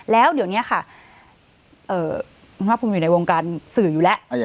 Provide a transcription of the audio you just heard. แล้วเดี๋ยวเนี้ยค่ะเอ่อมันว่าผมอยู่ในวงการสื่ออยู่แล้ว